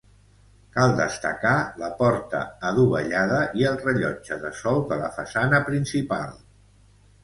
Cal destacar la porta adovellada i el rellotge de sol de la façana principal.